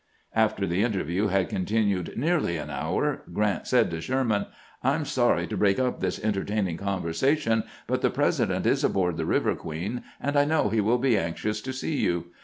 '" After the interview had continued nearly an hour, Grant said to Sherman :" I 'm sorry to break up this entertaining conversation, but the President is aboard the Biver Queen, and I know he will be anxious to see you.